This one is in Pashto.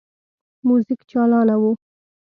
موزیک چالانه وو.